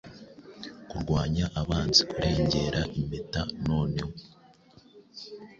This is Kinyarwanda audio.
Kurwanya abanzi Kurengera impeta noneho